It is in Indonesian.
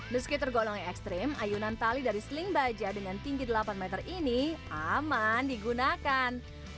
hasil foto akan membuat kita seolah berada di atas awan di temani kabut